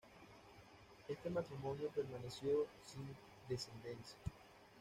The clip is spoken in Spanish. Este matrimonio permaneció sin descendencia.